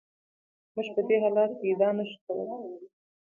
موږ په دې حالت کې ادعا نشو کولای.